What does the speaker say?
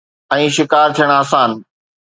۽ شڪار ٿيڻ آسان.